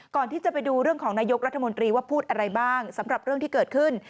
ไปดูเรื่องของนายกรัฐมนตรีว่าพูดอะไรบ้างสำหรับเรื่องที่เกิดขึ้น